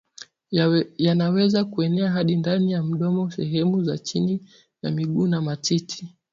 yanaweza kuenea hadi ndani ya mdomo sehemu za chini ya miguu na matiti